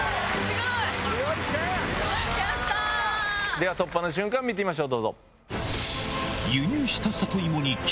では突破の瞬間見てみましょう。